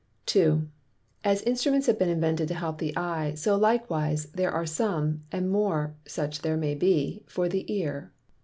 2. As Instruments have been invented to help the Eye, So likewise are there some, and more such there may be, for the Ear.